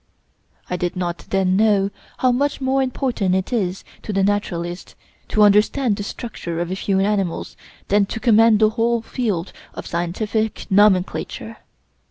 I did not then know how much more important it is to the naturalist to understand the structure of a few animals than to command the whole field of scientific nomenclature.